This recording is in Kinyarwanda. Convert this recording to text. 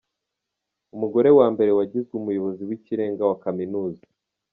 Umugore wa mbere wagizwe umuyobozi w’ikirenga wa kaminuza.